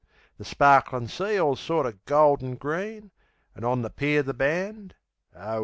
The sparklin' sea all sorter gold an' green; An' on the pier the band O, 'Ell!...